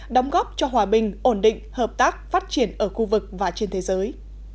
đóng góp cho hòa bình ổn định hợp tác phát triển ở khu vực và trên thế giới